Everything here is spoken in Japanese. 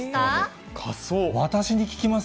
私に聞きます？